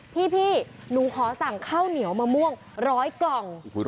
พี่หนูขอสั่งข้าวเหนียวมะม่วง๑๐๐กล่อง